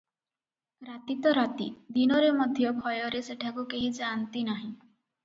ରାତି ତ ରାତି, ଦିନରେ ମଧ୍ୟ ଭୟରେ ସେଠାକୁ କେହି ଯା'ନ୍ତି ନାହିଁ ।